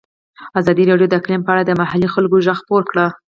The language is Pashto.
ازادي راډیو د اقلیم په اړه د محلي خلکو غږ خپور کړی.